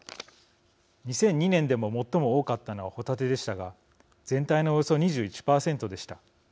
２００２年でも最も多かったのはホタテでしたが全体のおよそ２１％でした。